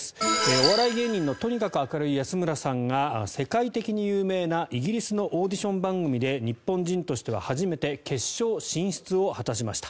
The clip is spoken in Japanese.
お笑い芸人のとにかく明るい安村さんが世界的に有名なイギリスのオーディション番組で日本人としては初めて決勝進出を果たしました。